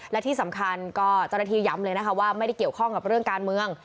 และที่สำคัญก็เจ้าหน้าที่ย้ำเลยนะคะว่าไม่ได้เกี่ยวข้องกับเรื่องการเมือง